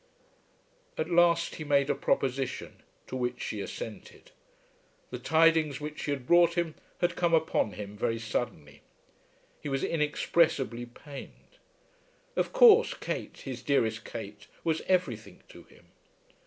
At last he made a proposition to which she assented. The tidings which she had brought him had come upon him very suddenly. He was inexpressibly pained. Of course Kate, his dearest Kate, was everything to him.